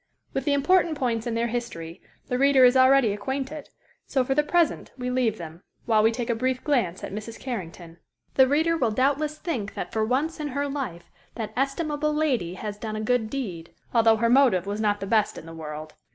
With the important points in their history the reader is already acquainted, so for the present we leave them, while we take a brief glance at Mrs. Carrington. The reader will doubtless think that for once in her life that estimable lady has done a good deed, although her motive was not the best in the world.